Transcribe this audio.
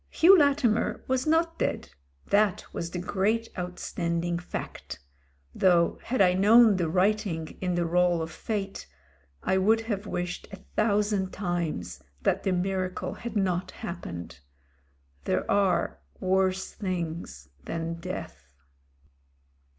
... Hugh Latimer was not dead — ^that was the great outstanding fact ; though had I known the writing in the roll of Fate, I would have wished a thousand times 99 >» THE DEATH GRIP 193 that the miracle had not happened. There are worse things than death.